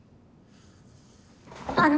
あの！